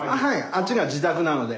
あっちが自宅なので。